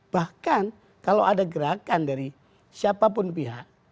bahkan kalau ada gerakan dari siapapun pihak